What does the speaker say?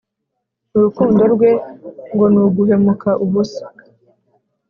urukundo rwe no guhumeka ubusa?